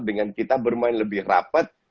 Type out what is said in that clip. dengan kita bermain lebih rapat